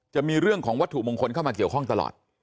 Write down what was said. จะมีเรื่องของวัตถุมงคลเข้ามาเกี่ยวข้องตลอด